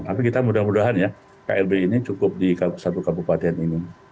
tapi kita mudah mudahan ya klb ini cukup di satu kabupaten ini